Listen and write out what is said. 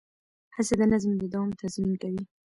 هڅه د نظم د دوام تضمین کوي.